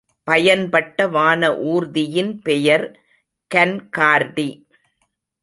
பயன்பட்ட வானஊர்தியின் பெயர் கன்கார்டி.